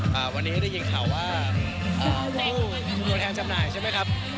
ก็วันนี้ได้ยินค่าว่าตัวแทนชำนายใช่ไหมครับ